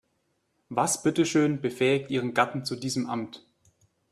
Was bitteschön befähigt ihren Gatten zu diesem Amt?